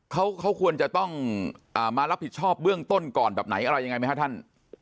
เขาควรจะต้องมารับผิดชอบเบื้องต้นก่อนแบบไหนอะไรยังไงไหมฮะท่าน